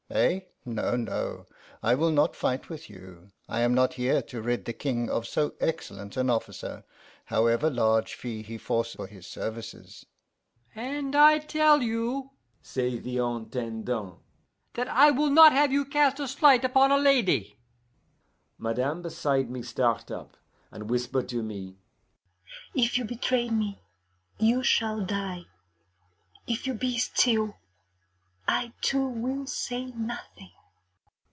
Eh? No, no, I will not fight with you. I am not here to rid the King of so excellent an officer, however large fee he force for his services.' 'And I tell you,' say the Intendant, 'that I will not have you cast a slight upon a lady.' Madame beside me start up, and whisper to me, 'If you betray me, you shall die. If you be still, I too will say nothing.